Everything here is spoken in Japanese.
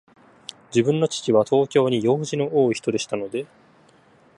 自分の父は、東京に用事の多いひとでしたので、